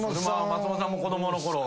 松本さんも子供のころ。